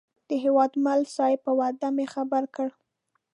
د هیوادمل صاحب په وعده مې خبر کړ.